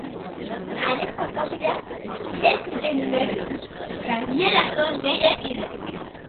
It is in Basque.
Haren jokabidea ez zuten ulertu gainerako lehiakideek.